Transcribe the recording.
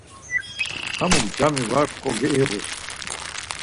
Hamuk cami var kogeiğu.